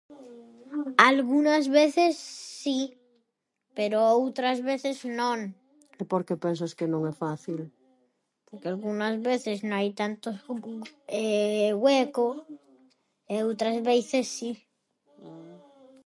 Algunas veces si, pero outras veces non. E por que pensas que non é fácil? Porque algunhas veces no hai tanto hueco e outras veces si.